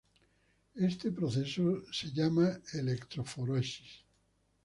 Este proceso es llamado electroforesis